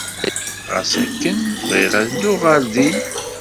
Ɣas akken, bɣiɣ ad dduɣ ɣer din.